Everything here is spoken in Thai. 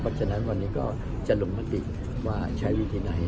เพราะฉะนั้นวันนี้ก็จะลงมติว่าใช้วิธีไหน